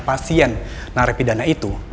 pasien narapidana itu